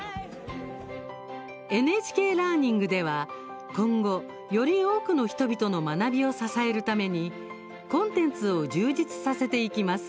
「ＮＨＫラーニング」では今後、より多くの人々の学びを支えるためにコンテンツを充実させていきます。